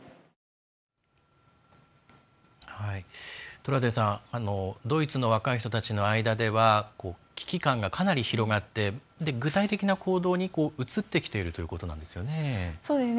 トラウデンさんドイツの若い人たちの間では危機感がかなり広がって具体的な行動に移ってきているということなんですよね。